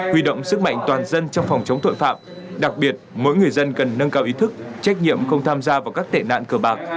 huy động sức mạnh toàn dân trong phòng chống tội phạm đặc biệt mỗi người dân cần nâng cao ý thức trách nhiệm không tham gia vào các tệ nạn cờ bạc